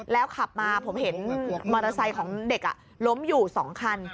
ขับมาผมเห็นมอเตอร์ไซค์ของเด็กล้มอยู่๒คัน